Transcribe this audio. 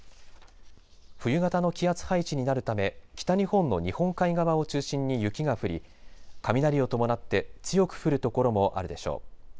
冬型の気圧配置になるため北日本の日本海側を中心に雪が降り雷を伴って強く降る所もあるでしょう。